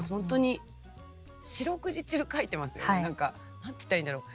何て言ったらいいんだろう。